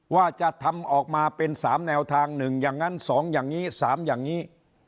ว่าจะทำออกมาเป็นสามแนวทางหนึ่งอย่างนั้นสองอย่างนี้สามอย่างนี้